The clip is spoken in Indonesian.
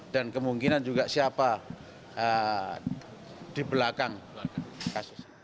dan kemungkinan juga siapa di belakang kasus